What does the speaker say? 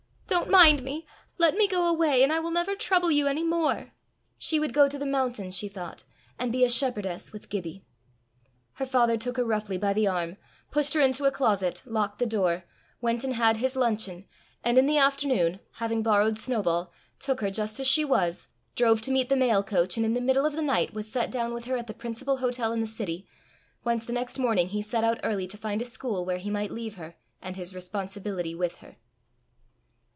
"Don't mind me. Let me go away, and I will never trouble you any more." She would go to the mountain, she thought, and be a shepherdess with Gibbie. Her father took her roughly by the arm, pushed her into a closet, locked the door, went and had his luncheon, and in the afternoon, having borrowed Snowball, took her just as she was, drove to meet the mail coach, and in the middle of the night was set down with her at the principal hotel in the city, whence the next morning he set out early to find a school where he might leave her and his responsibility with her.